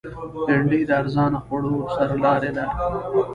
بېنډۍ د ارزانه خوړو سرلاری ده